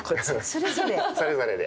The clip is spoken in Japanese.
それぞれで。